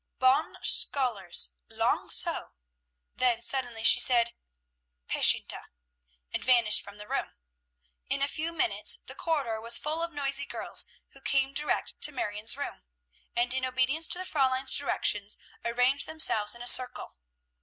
"Bon scholars! long so!" Then suddenly she said, "Patientia!" and vanished from the room. In a few minutes the corridor was full of noisy girls, who came direct to Marion's room, and in obedience to the Fräulein's directions arranged themselves in a circle.